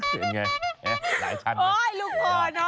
เป็นอย่างไรหลายชั้นหรือเปล่าโอ้โฮลูกพอดเนอะ